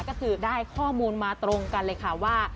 ก็คือได้ข้อมูลมาตรงกันเลยค่ะว่า